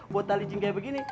botalicin kayak begini